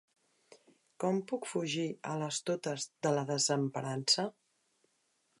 Com puc fugir a les totes de la desemparança?